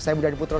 saya budhani putra